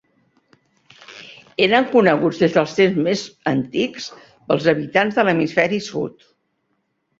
Eren coneguts des dels temps més antics pels habitants de l'hemisferi sud.